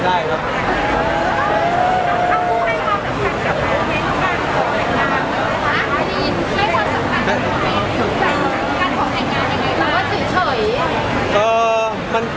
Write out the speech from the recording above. ถ้าผู้ให้ความสำคัญกับผู้ให้ความสำคัญกับการขอแต่งงาน